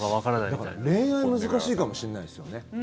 だから、恋愛難しいかもしれないですよね。